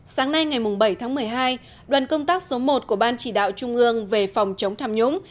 sáng nay ngày bảy tháng một mươi hai đoàn công tác số một của ban chỉ đạo trung ương về phòng chống tham nhũng